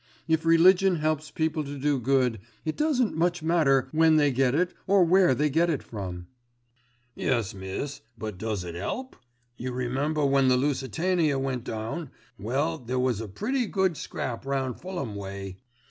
If religion helps people to do good, it doesn't much matter when they get it, or where they get it from." "Yes, miss, but does it 'elp? You remember when the Lusitania went down, well there was a pretty good scrap round Fulham way.